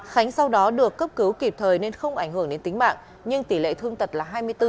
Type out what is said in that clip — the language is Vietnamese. khánh sau đó được cấp cứu kịp thời nên không ảnh hưởng đến tính mạng nhưng tỷ lệ thương tật là hai mươi bốn